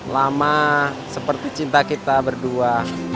lama seperti cinta kita berdua